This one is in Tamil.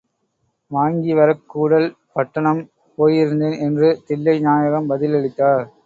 வாங்கிவரக் கூடல் பட்டணம் போயிருந்தேன் என்று தில்லை நாயகம் பதிலளித்தார்.